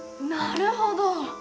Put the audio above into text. なるほど。